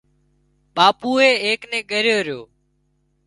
ٻاپوئي ايڪ نين ڳريو رو